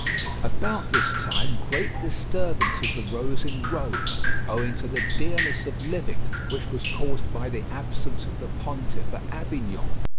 About this time great disturbances arose in Rome, owing to the dearness of living which was caused by the absence of the pontiff at Avignon.